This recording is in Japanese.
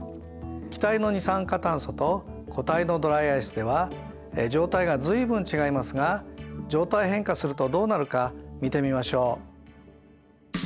気体の二酸化炭素と固体のドライアイスでは状態が随分違いますが状態変化するとどうなるか見てみましょう。